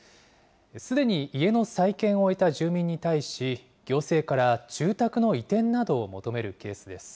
すでに家の再建を終えた住民に対し、行政から住宅の移転などを求めるケースです。